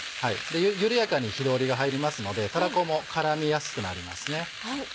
緩やかに火通りが入りますのでたらこも絡みやすくなりますね。